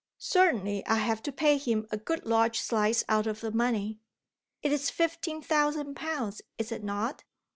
"Certainly I have to pay him a good large slice out of the money." "It is fifteen thousand pounds, is it not?